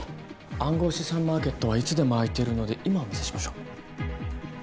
暗号資産マーケットはいつでも開いてるので今お見せしましょう。